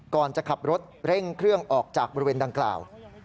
ก่อนจะขับรถเร่งเครื่องออกจากบริเวณดังกล่าว